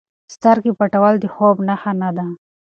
سترګې پټول د خوب نښه نه ده.